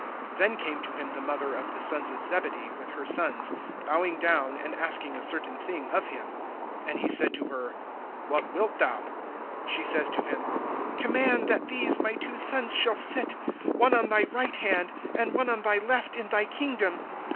(20)Then came to him the mother of the sons of Zebedee, with her sons, bowing down and asking a certain thing of him. (21)And he said to her: What wilt thou? She says to him: Command that these my two sons shall sit, one on thy right hand, and one on thy left, in thy kingdom.